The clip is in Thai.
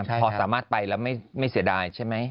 พอสามารถไปแล้วไม่เสียดายใช่ไหม